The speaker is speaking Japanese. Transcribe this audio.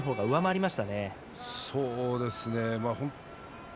そうですね。